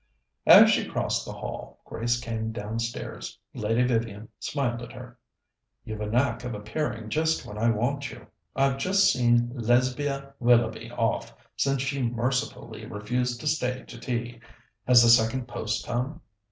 As she crossed the hall, Grace came downstairs. Lady Vivian smiled at her. "You've a knack of appearing just when I want you. I've just seen Lesbia Willoughby off, since she mercifully refused to stay to tea. Has the second post come?"